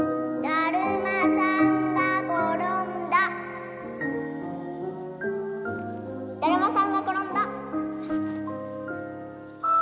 だるまさんがころんだ！